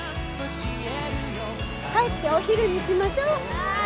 帰ってお昼にしましょ。わい！